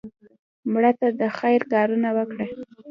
مړه ته د خیر کارونه وکړه